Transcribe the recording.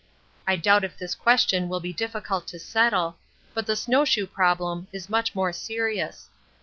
I doubt if this question will be difficult to settle, but the snow shoe problem is much more serious.